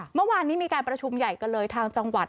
เมื่อวานนี้มีการประชุมใหญ่กันเลยทางจังหวัด